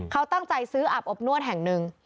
เขาตั้งใจซื้ออาบอบนวดแห่งหนึ่ง